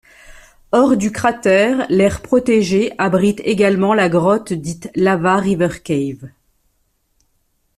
Hors du cratère, l'aire protégée abrite également la grotte dite Lava River Cave.